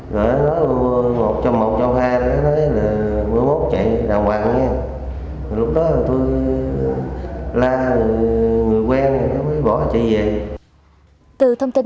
đối với trần hoàng kha hai mươi một tuổi trú ấp mỹ hiệp một xã tân tiến